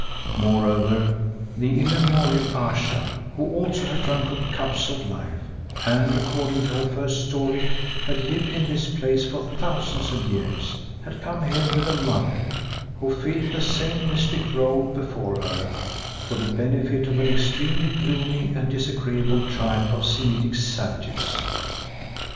Moreover the immemorial Ayesha, who also had drunk of Cups of Life, and according to her first story, had lived in this place for thousands of years, had come here with a mother, who filled the same mystic rôle before her for the benefit of an extremely gloomy and disagreeable tribe of Semitic savages.